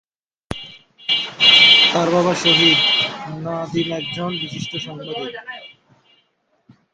তার বাবা শহীদ নাদিম একজন বিশিষ্ট সাংবাদিক।